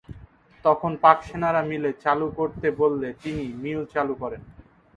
তখন পাক সেনারা মিল চালু করতে বললে তিনি মিল চালু করেন।